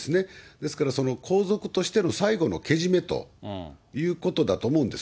ですから、皇族としての最後のけじめということだと思うんです。